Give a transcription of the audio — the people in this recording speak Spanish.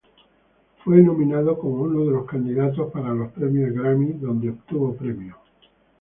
Fue nominado como uno de los candidatos para los premios Grammy, donde obtuvo premios.